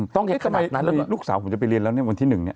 ทำไมลูกสาวผมจะไปเรียนแล้วเนี่ยวันที่หนึ่งเนี่ย